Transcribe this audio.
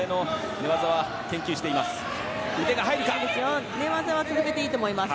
寝技は続けていいと思います。